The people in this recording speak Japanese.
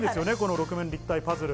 六面立体パズル。